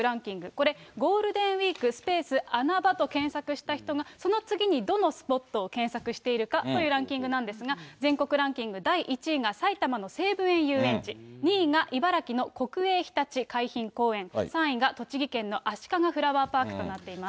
これ、ゴールデンウィーク、スペース穴場と検索した人が、その次にどのスポットを検索しているかというランキングなんですが、全国ランキング第１位が埼玉の西武園ゆうえんち、２位が茨城の国営ひたち海浜公園、３位が栃木県のあしかがフラワーパークとなっています。